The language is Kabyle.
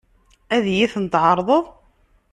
Ad iyi-tent-tɛeṛḍeḍ?